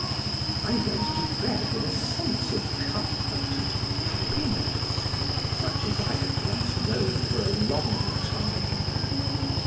I went to bed with a sense of comfort and happiness, such as I had not known for a long time.